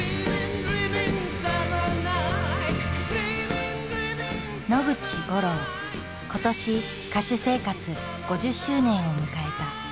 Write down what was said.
今年歌手生活５０周年を迎えた。